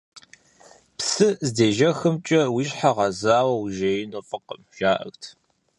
Псыр здежэхымкӀэ уи щхьэр гъэзауэ ужеину фӀыкъым, жаӀэрт.